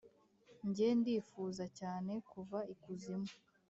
njye, ndifuza cyane kuva ikuzimu,